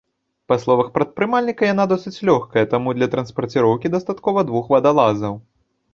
Па словах прадпрымальніка, яна досыць лёгкая, таму для транспарціроўкі дастаткова двух вадалазаў.